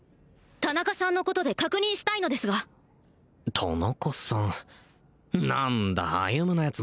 田中さんのことで確認したいのですが田中さん何だ歩のヤツ